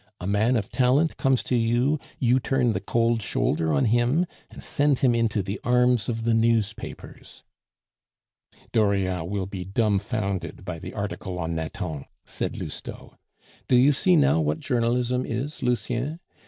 'A man of talent comes to you, you turn the cold shoulder on him, and send him into the arms of the newspapers.'" "Dauriat will be dumfounded by the article on Nathan," said Lousteau. "Do you see now what journalism is, Lucien?